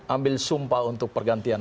ambil sumpah untuk pergantian